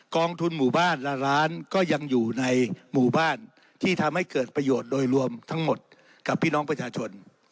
องทุนหมู่บ้านละล้านก็ยังอยู่ในหมู่บ้านที่ทำให้เกิดประโยชน์โดยรวมทั้งหมดกับพี่น้องประชาชน